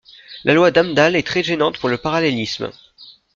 La loi d'Amdahl est très gênante pour le parallélisme.